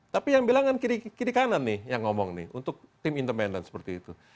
tapi yang bilang kan kiri kanan nih yang ngomong nih untuk tim independen seperti itu